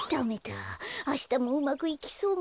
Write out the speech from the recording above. あしたもうまくいきそうもないや。